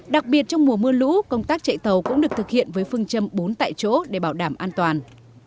đặc biệt trong mùa mưa lũ công tác chạy tàu cũng được thực hiện với phương châm bốn tại chỗ để bảo đảm an toàn